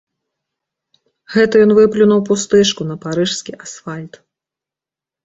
Гэта ён выплюнуў пустышку на парыжскі асфальт.